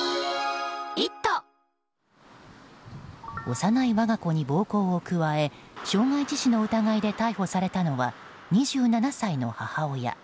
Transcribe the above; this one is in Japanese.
幼い我が子に暴行を加え傷害致死の疑いで逮捕されたのは、２７歳の母親